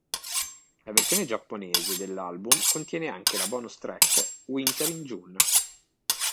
La versione giapponese dell'album contiene anche la bonus track "Winter in June".